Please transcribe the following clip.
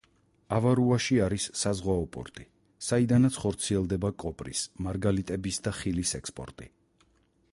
ავარუაში არის საზღვაო პორტი, საიდანაც ხორციელდება კოპრის, მარგალიტების და ხილის ექსპორტი.